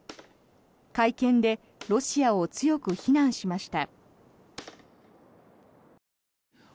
会見でロシアを強く非難しました。